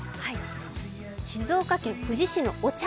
静岡県富士市のお茶